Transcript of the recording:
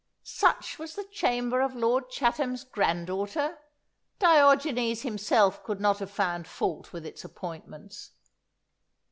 "Such was the chamber of Lord Chatham's grand daughter! Diogenes himself could not have found fault with its appointments!"